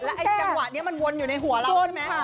ไอ้จังหวะนี้มันวนอยู่ในหัวเราใช่ไหม